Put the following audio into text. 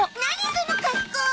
その格好！